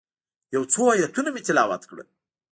یو څو آیتونه مې تلاوت کړل.